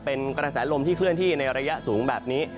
เป็นกระแสลมที่เคลื่อนที่ในระยะสูงแบบนี้